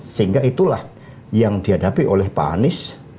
sehingga itulah yang dihadapi oleh pak anies